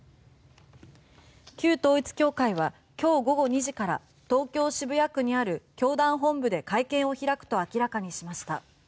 旧統一教会は今日午後２時から東京・渋谷区にある教団本部で会見を開くと明らかにしました。